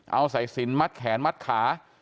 เอาใส่ศิลป์มัดแขนมัดขา